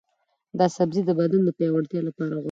دا سبزی د بدن د پیاوړتیا لپاره غوره دی.